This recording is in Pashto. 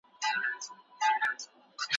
تا به ویل چي یو لوی